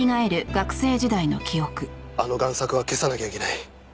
あの贋作は消さなきゃいけない。